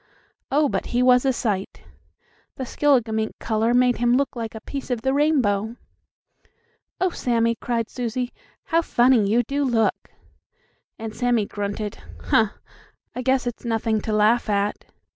Oh, but he was a sight! The skilligimink color made him look like a piece of the rainbow. "Oh, Sammie!" cried Susie, "how funny you do look?" And Sammie grunted: "Huh! I guess it's nothing to laugh at!"